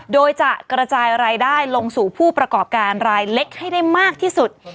โดยจะกระจายรายได้ลงสู่ผู้ประกอบการรายเล็กให้ได้มากที่สุด